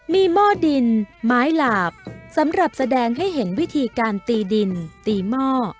มีหม้อดินไม้หลาบสำหรับแสดงให้เห็นวิธีการตีดินตีหม้อ